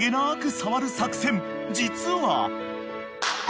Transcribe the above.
［実は］